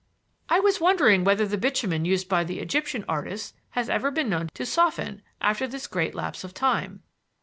"I was wondering whether the bitumen used by the Egyptian artists has ever been known to soften after this great lapse of time."